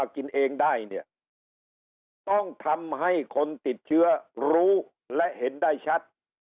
กินเองได้เนี่ยต้องทำให้คนติดเชื้อรู้และเห็นได้ชัด